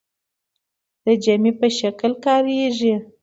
د جمع په شکل کاریږي.